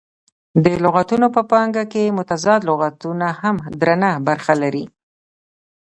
د لغتونه په پانګه کښي متضاد لغتونه هم درنه برخه لري.